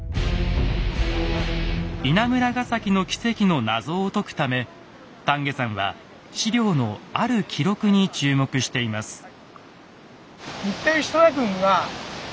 稲村ヶ崎の奇跡の謎を解くため田家さんは史料のある記録に注目しています。